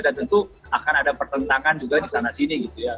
dan tentu akan ada pertentangan juga di sana sini gitu ya